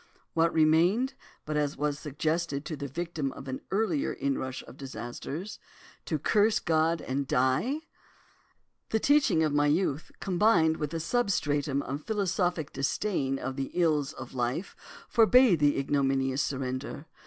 "What remained, but as was suggested to the victim of an earlier inrush of disasters? To curse God, and die? The teaching of my youth, combined with a substratum of philosophic disdain of the ills of life, forbade the ignominious surrender.